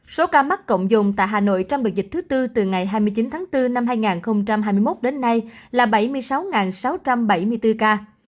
số ca mắc cộng dùng tại hà nội trong đợt dịch thứ tư từ ngày hai mươi chín tháng bốn năm hai nghìn hai mươi một đến nay là bảy mươi sáu sáu trăm bảy mươi bốn ca